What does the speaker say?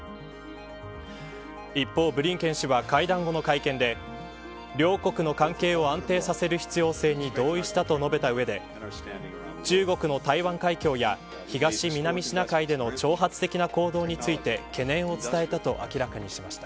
一方、ブリンケン氏は会談後の会見で両国の関係を安定させる必要性に同意したと述べた上で中国の台湾海峡や東・南シナ海での挑発的な行動について懸念を伝えたと明らかにしました。